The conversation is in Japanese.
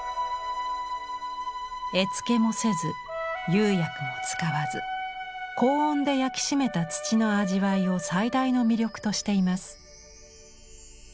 絵付けもせず釉薬も使わず高温で焼き締めた土の味わいを最大の魅力としています。